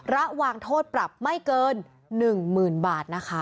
ระวังโทษปรับไม่เกิน๑๐๐๐บาทนะคะ